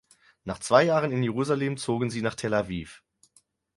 Nach zwei Jahren in Jerusalem zogen sie nach Tel Aviv.